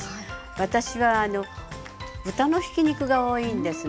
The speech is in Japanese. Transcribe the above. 私は豚のひき肉が多いんですね。